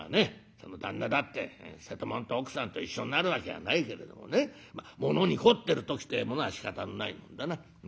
その旦那だって瀬戸物と奥さんと一緒になるわけがないけれどもねものに凝ってる時ってえものはしかたのないもんだな。